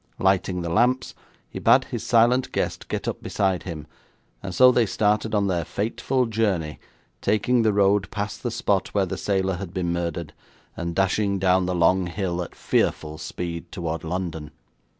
Lighting the lamps, he bade his silent guest get up beside him, and so they started on their fateful journey, taking the road past the spot where the sailor had been murdered, and dashing down the long hill at fearful speed toward London.